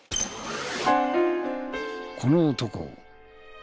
この男。